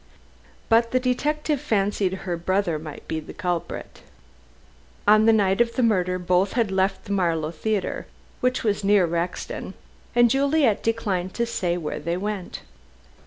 But the detective fancied her brother might be the culprit. On the night of the murder, both had left the Marlow Theatre, which was near Rexton, and Juliet declined to say where they went.